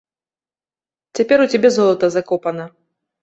Цяпер у цябе золата закопана.